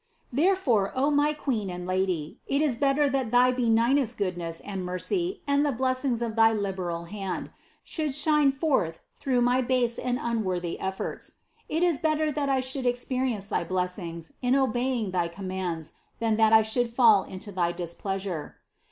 Therefore, O my Queen and Lady, it is better that thy benignest goodness and mercy and the blessings of thy liberal hand should shine forth through my base and unworthy ef forts ; it is better that I should experience thy blessings in obeying thy commands, than that I should fall into thy displeasure.